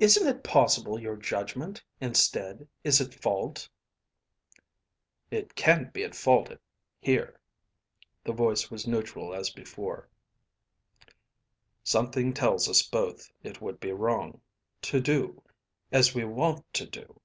"Isn't it possible your judgment instead is at fault?" "It can't be at fault, here." The voice was neutral as before. "Something tells us both it would be wrong to do as we want to do."